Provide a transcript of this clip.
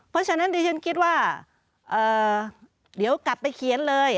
เพราะฉะนั้นดิฉันคิดว่าเดี๋ยวกลับไปเขียนเลย